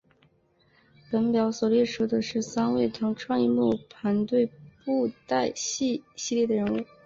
本表所列出的是三昧堂创意木偶团队布袋戏系列的人物。